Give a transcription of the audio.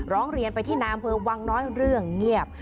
ร้องเรียนไปที่นายอำเภอวังน้อยเรื่องเงียบ